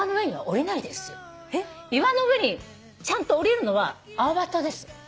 「岩の上にちゃんと下りるのはアオバトです」